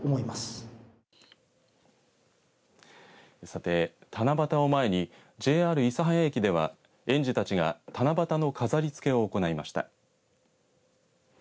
さて、七夕を前にＪＲ諫早駅では園児たちが七夕の飾りつけを行いました。